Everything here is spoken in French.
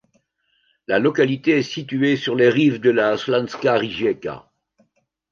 La localité est située sur les rives de la Slanska rijeka.